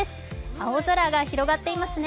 青空が広がってますね。